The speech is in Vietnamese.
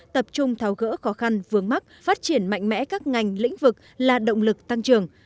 tập trung tháo gỡ khó khăn vướng mắt phát triển mạnh mẽ các ngành lĩnh vực là động lực tăng trưởng